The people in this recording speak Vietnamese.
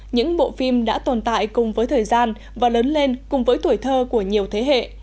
những bộ phim đã tồn tại cùng với thời gian và lớn lên cùng với tuổi thơ của nhiều thế hệ